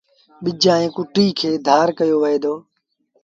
ٻج ائيٚݩ ڪُٽيٚ کي ڌآر ڪيو وهي دو۔